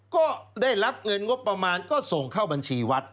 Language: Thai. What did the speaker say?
ก็ได้รับเงินงบประมาณก็ส่งเข้าบัญชีวัด